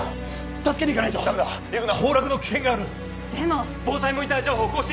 助けにいかないとダメだ行くな崩落の危険があるでも防災モニター情報更新